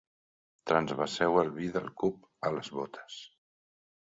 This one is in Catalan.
Transvaseu el vi del cup a les botes.